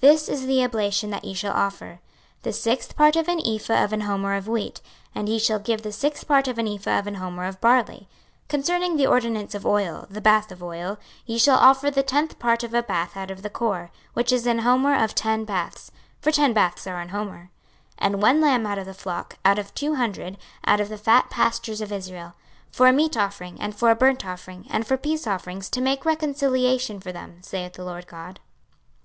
26:045:013 This is the oblation that ye shall offer; the sixth part of an ephah of an homer of wheat, and ye shall give the sixth part of an ephah of an homer of barley: 26:045:014 Concerning the ordinance of oil, the bath of oil, ye shall offer the tenth part of a bath out of the cor, which is an homer of ten baths; for ten baths are an homer: 26:045:015 And one lamb out of the flock, out of two hundred, out of the fat pastures of Israel; for a meat offering, and for a burnt offering, and for peace offerings, to make reconciliation for them, saith the Lord GOD.